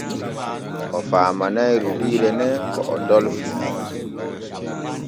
O faamanay rubiire ne ko o dolfii.